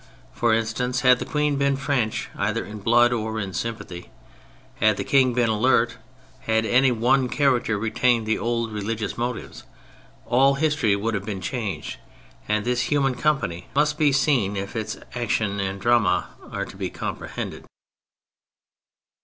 For instance, had the Queen been French either in blood or in sympathy, had the King been alert, had any one character retained the old re ligious motives, all liistory would have been changed, and this human company must be seen if its action and drama are to be com prehended.